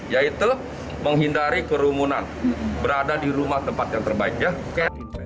yaitu menghindari kerumunan berada di rumah tempat yang terbaik